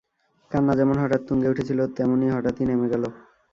কান্না যেমন হঠাৎ তুঙ্গে উঠেছিল, তেমনি হঠাৎই নেমে গেল।